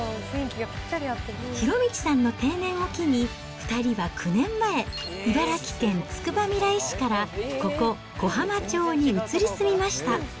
博道さんの定年を機に、２人は９年前、茨城県つくばみらい市から、ここ、小浜町に移り住みました。